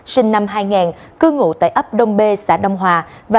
sinh năm hai nghìn cư ngụ tại ấp đông b xã đông hòa